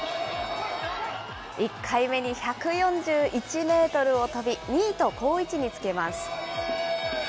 １回目に１４１メートルを飛び、２位と好位置につけます。